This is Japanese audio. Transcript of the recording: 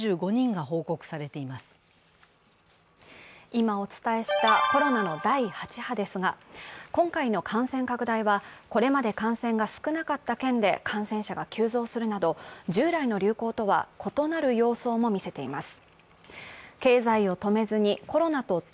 今お伝えしたコロナの第８波ですが今回の感染拡大は、これまで感染が少なかった県で感染者が急増するなど従来の流行とは異なる様相も見せています。